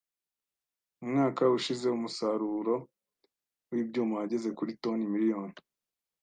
Umwaka ushize umusaruro w’ibyuma wageze kuri toni miliyoni .